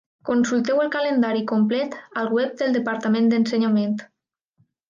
Consulteu el calendari complet al web del Departament d'Ensenyament.